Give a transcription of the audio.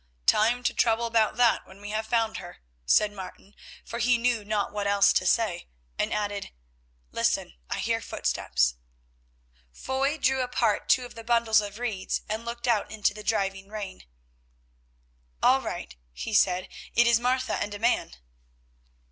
"Time to trouble about that when we have found her," said Martin, for he knew not what else to say, and added, "listen, I hear footsteps." Foy drew apart two of the bundles of reeds and looked out into the driving rain. "All right," he said, "it is Martha and a man."